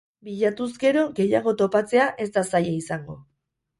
Bilatuz gero gehiago topatzea ez da zaila izango.